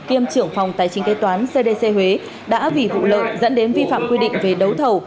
kiêm trưởng phòng tài chính kế toán cdc huế đã vì vụ lợi dẫn đến vi phạm quy định về đấu thầu